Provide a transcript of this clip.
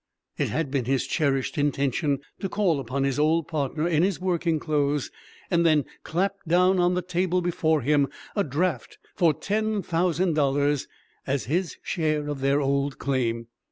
It had been his cherished intention to call upon his old partner in his working clothes, and then clap down on the table before him a draft for ten thousand dollars as his share of their old claim.